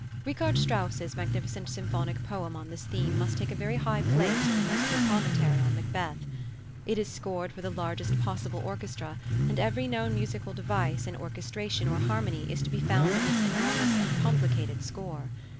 +Richard Strauss's+ magnificent Symphonic Poem on this theme must take a very high place in the musical commentary on Macbeth. It is scored for the largest possible orchestra, and every known musical device in orchestration or harmony is to be found in this enormous and complicated score.